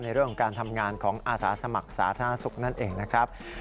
เรื่องของการทำงานของอาสาสมัครสาธารณสุขนั่นเองนะครับ